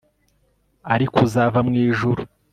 ariko uzaba mwijuru